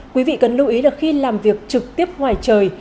quý vị cần lưu ý là khi làm việc trực tiếp ngoài trời